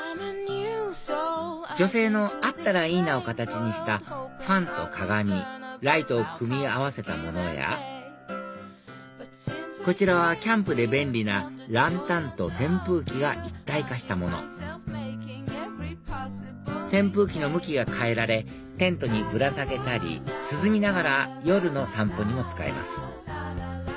ＳＰＩＣＥ女性のあったらいいなを形にしたファンと鏡ライトを組み合わせたものやこちらはキャンプで便利なランタンと扇風機が一体化したもの扇風機の向きが変えられテントにぶら下げたり涼みながら夜の散歩にも使えます